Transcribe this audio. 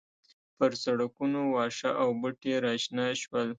پر سړکونو واښه او بوټي راشنه شول.